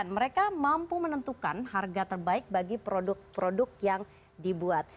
mereka mampu menentukan harga terbaik bagi produk produk yang dibuat